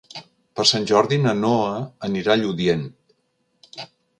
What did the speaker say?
Per Sant Jordi na Noa anirà a Lludient.